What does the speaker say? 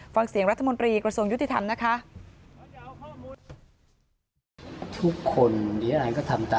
ฟังเสียงรัฐมนตรีกระทรวงยุติธรรมนะคะ